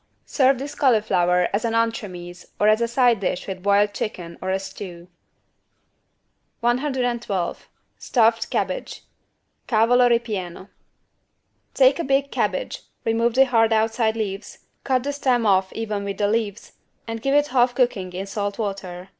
Serve this cauliflower as an =entremets= or as a side dish with boiled chicken or a stew. 112 STUFFED CABBAGE (Cavolo ripieno) Take a big cabbage, remove the hard outside leaves, cut the stem off even with the leaves and give it half cooking in salt water.